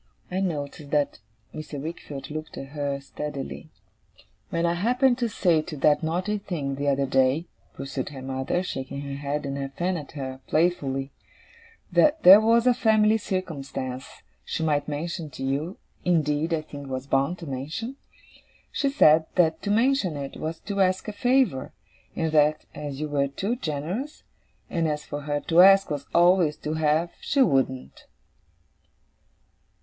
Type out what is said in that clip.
I noticed that Mr. Wickfield looked at her steadily. 'When I happened to say to that naughty thing, the other day,' pursued her mother, shaking her head and her fan at her, playfully, 'that there was a family circumstance she might mention to you indeed, I think, was bound to mention she said, that to mention it was to ask a favour; and that, as you were too generous, and as for her to ask was always to have, she wouldn't.